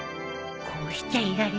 こうしちゃいられないよ。